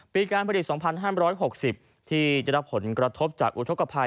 การผลิต๒๕๖๐ที่จะรับผลกระทบจากอุทธกภัย